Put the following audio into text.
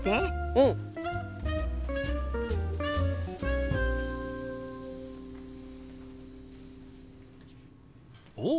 うん！おっ！